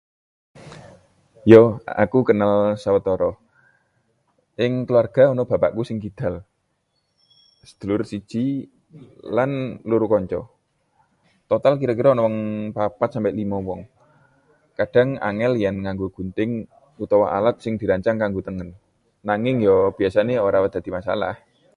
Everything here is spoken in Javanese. Ya, aku kenal sawetara. Ing kulawarga ana bapakku sing kidal, sedulur siji, lan loro kanca — total kira-kira 4-5 wong. Kadhang angel yen nganggo gunting utawa alat sing dirancang kanggo tengen, nanging ya biasane ora dadi masalah.